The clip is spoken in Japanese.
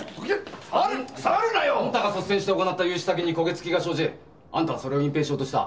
触るな触るなよ！あんたが率先して行った融資先に焦げつきが生じあんたはそれを隠蔽しようとした。